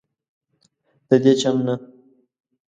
ددې چم نه